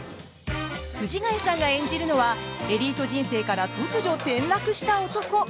藤ヶ谷さんが演じるのはエリート人生から突如転落した男。